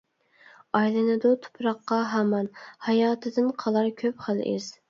ئايلىنىدۇ تۇپراققا ھامان، ھاياتىدىن قالار كۆپ خىل ئىز.